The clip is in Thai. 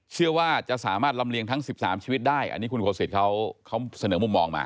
เชื่อว่าจะสามารถลำเลียงทั้ง๑๓ชีวิตได้อันนี้คุณโคสิตเขาเสนอมุมมองมา